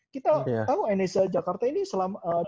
kita tahu indonesia jakarta ini selama